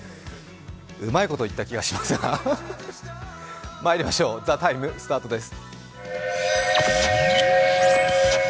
うまいこと言った気がしますがまいりましょう「ＴＨＥＴＩＭＥ，」スタートです。